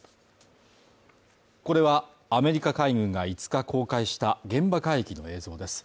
これは、アメリカ海軍が５日公開した現場海域の映像です。